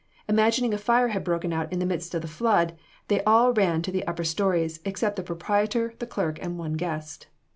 Imagining a fire had broken out in the midst of the flood, they all ran to the upper stories, except the proprietor, the clerk, and one guest.